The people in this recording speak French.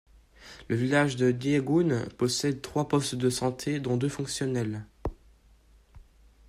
Le village de Diegoune possède trois postes de santé dont deux fonctionnels.